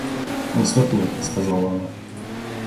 Он святой, — сказала она.